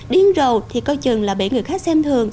điên rồ thì coi chừng là bị người khác xem thường